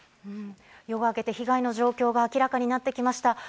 夜があけて被害の状況が明らかになってきました。